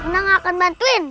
neng akan bantuin